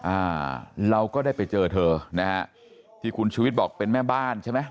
อ่าเราก็ได้ไปเจอเธอนะฮะที่คุณชูวิทย์บอกเป็นแม่บ้านใช่ไหม